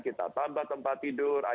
kita tambah tempat tidur